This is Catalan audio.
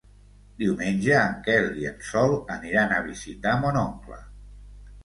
Diumenge en Quel i en Sol aniran a visitar mon oncle.